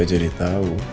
ya saya jadi tahu